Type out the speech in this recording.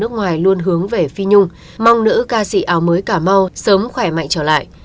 nước ngoài luôn hướng về phi nhung mong nữ ca sĩ áo mới cà mau sớm khỏe mạnh trở lại